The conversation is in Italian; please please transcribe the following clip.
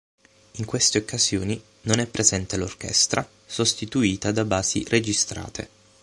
In queste occasioni, non è presente l'orchestra, sostituita da basi registrate.